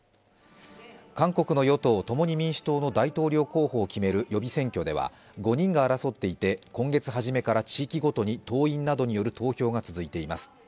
韓国の与党、共に民主党の大統領候補を決める予備選挙では、５人が争っていて今月初めから地域ごとに党員などによる投票が続いています。